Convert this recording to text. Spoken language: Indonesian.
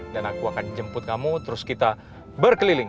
dan aku akan jemput kamu terus kita berkeliling